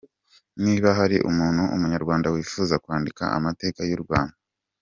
Niba hari umuntu, Umunyarwanda wifuza kwandika amateka y’u Rwanda, ashobora kuyifashisha.